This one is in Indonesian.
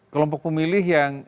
kelompok pemilih yang